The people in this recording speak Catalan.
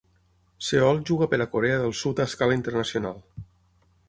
Seol juga per a Corea del Sud a escala internacional.